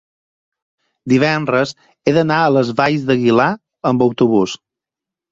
divendres he d'anar a les Valls d'Aguilar amb autobús.